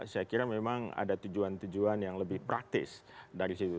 saya kira memang ada tujuan tujuan yang lebih praktis dari situ